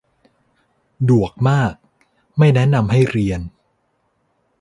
ดวกมาก ไม่แนะนำให้เรียน